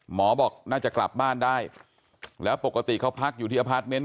หมอบอกน่าจะกลับบ้านได้แล้วปกติเขาพักอยู่ที่อพาร์ทเมนต์